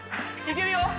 いけるよ